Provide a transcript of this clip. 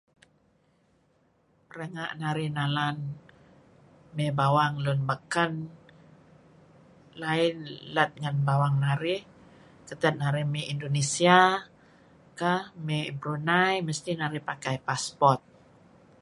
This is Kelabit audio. Renga' narih nalan mey bawang lun beken lain let ngen bawang narih ketad narih mey Indonesia kah, mey Brunei, mesti narih pakai passport.